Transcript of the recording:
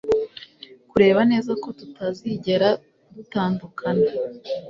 kureba neza ko tutazigera dutandukana